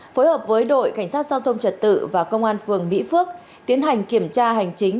phối hợp với đội cảnh sát giao thông trật tự và công an phường mỹ phước tiến hành kiểm tra hành chính